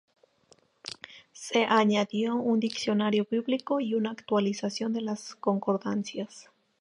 Se añadió un diccionario bíblico y una actualización de las concordancias.